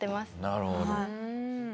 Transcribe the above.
なるほど。